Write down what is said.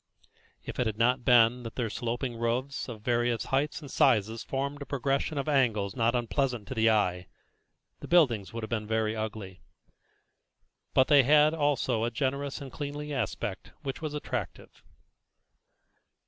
If it had not been that their sloping roofs of various heights and sizes formed a progression of angles not unpleasant to the eye, the buildings would have been very ugly; but they had also a generous and cleanly aspect which was attractive.